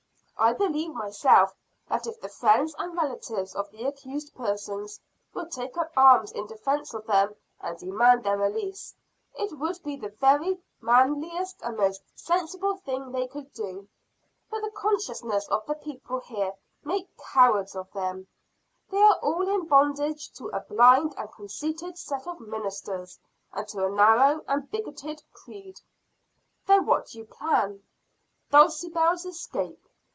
I believe myself that if the friends and relatives of the accused persons would take up arms in defense of them, and demand their release, it would be the very manliest and most sensible thing they could do. But the consciences of the people here make cowards of them. They are all in bondage to a blind and conceited set of ministers, and to a narrow and bigoted creed." "Then what do you plan?" "Dulcibel's escape.